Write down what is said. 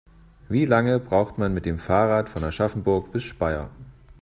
Wie lange braucht man mit dem Fahrrad von Aschaffenburg bis Speyer?